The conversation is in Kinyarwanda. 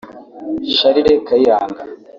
Charles Kayiranga